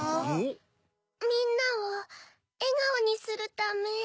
みんなをえがおにするため。